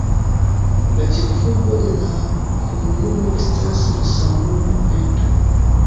La ĉefurbo de la komunumo estas la samnoma Peto.